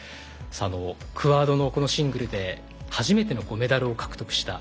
クアードのシングルで初めてのメダルを獲得した。